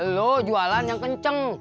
lo jualan yang kenceng